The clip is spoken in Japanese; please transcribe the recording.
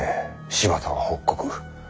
柴田は北国。